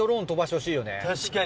確かに。